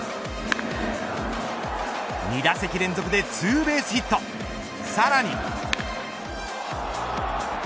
２打席連続でツーベースヒット「ビオレＵＶ」